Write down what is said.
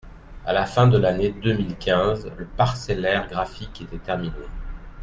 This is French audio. À la fin de l’année deux mille quinze, le parcellaire graphique était terminé.